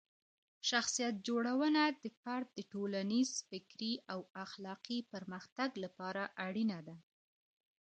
شخصیت جوړونه د فرد د ټولنیز، فکري او اخلاقي پرمختګ لپاره اړینه ده.